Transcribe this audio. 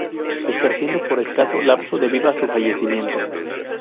Ejerciendo por escaso lapso debido a su fallecimiento.